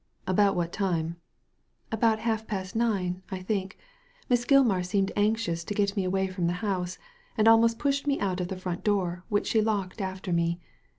"About what time?" "About half past nine, I think. Miss Gilmar seemed anxious to get me away from the house, and almost pushed me out of the front door, which she locked after me.